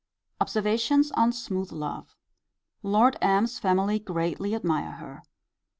Observations on smooth love. Lord M.'s family greatly admire her.